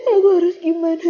aku harus gimana